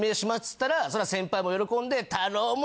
つったらそら先輩も喜んで。